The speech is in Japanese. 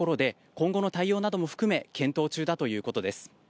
今後の対応なども含め検討中だということです。